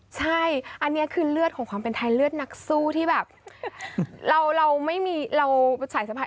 ใช่อันนี้คือเลือดของความเป็นไทยเลือดนักสู้ที่แบบเราไม่มีเราสายสะพาย